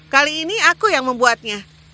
kali ini aku yang membuatnya